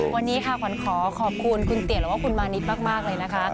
วันนี้ค่ะขวัญขอขอบคุณคุณเตี๋ยแล้วก็คุณมานิดมากเลยนะคะ